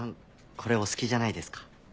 これお好きじゃないですか。